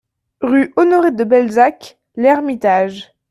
rue Honoré de Balzac, L'Hermitage